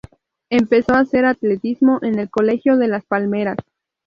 Empezó a hacer atletismo en el Colegio de Las Palmeras.